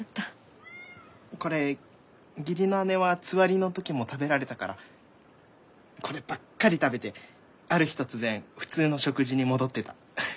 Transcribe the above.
これ義理の姉はつわりの時も食べられたからこればっかり食べてある日突然普通の食事に戻ってた。